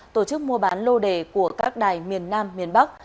tổ chức mua bán lô đề của các đài miền nam miền bắc